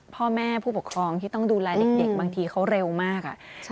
พ่อแม่ผู้ปกครองที่ต้องดูแลเด็กบางทีเขาเร็วมาก